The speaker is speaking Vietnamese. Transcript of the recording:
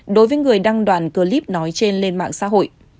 đối với người đăng đoàn clip nói trên lên mạng xã hội